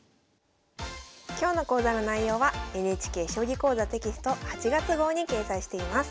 今日の講座の内容はＮＨＫ「将棋講座」テキスト８月号に掲載しています。